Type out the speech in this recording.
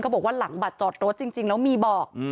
บอกว่าหลังบัตรจอดรถจริงแล้วมีบอก